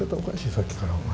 さっきからお前。